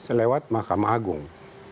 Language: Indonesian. selewat mahkamah agung